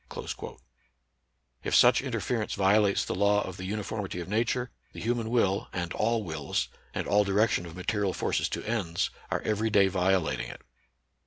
* If such interference violates the law of the uniformity of Nature, the human will, and all wills, and all direction of material forces to ends, are every day violating it.